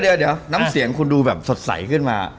เดี๋ยวน้ำเสียงคุณดูแบบสดใสขึ้นมา